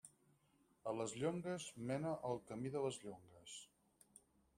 A les Llongues mena el Camí de les Llongues.